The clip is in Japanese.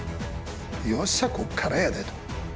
よっしゃこっからやでと。